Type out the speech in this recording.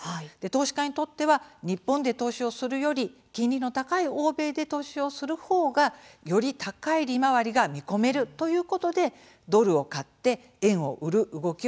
投資家にとっては日本で投資をするより金利の高い欧米で投資をするほうがより高い利回りが見込めるということで、ドルを買って円を売る動きを強めているんです。